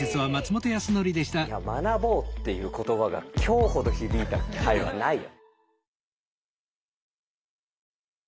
いや「学ぼう」っていう言葉が今日ほど響いた回はないよ。